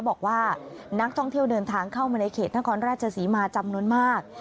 บอกว่านักท่องเที่ยวเดินทางเข้ามาในเขตนครราชศรีมาจำนวนมาก